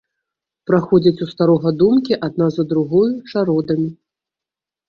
Праходзяць у старога думкі адна за другою чародамі.